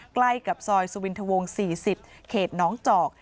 ใกล้กับซอยสุวินทวง๔๐เขตน้องจอก